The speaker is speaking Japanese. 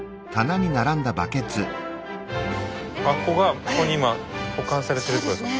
アンコウがここに今保管されてるってことですか。